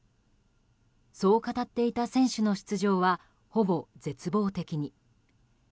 そう語っていた選手の出場はほぼ絶望的に。